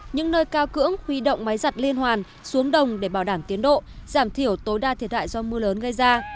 những nơi cao cưỡng huy động máy giặt liên hoàn xuống đồng để bảo đảm tiến độ giảm thiểu tối đa thiệt hại do mưa lớn gây ra